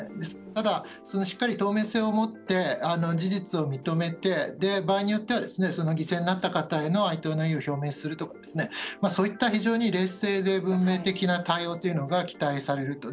ただ、しっかり透明性を持って事実を認めて場合によっては犠牲になった方への哀悼の意を表明するとか非常に冷静で文明的な対応というのが期待されると。